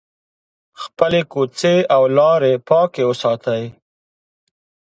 خپلې کوڅې او لارې پاکې وساتئ.